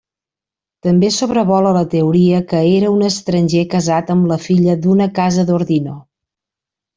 També sobrevola la teoria que era un estranger casat amb la filla d'una casa d'Ordino.